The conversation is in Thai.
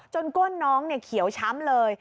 ก้นน้องเขียวช้ำเลย